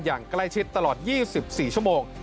อย่างใกล้ชิดตลอด๒๔ชั่วโมง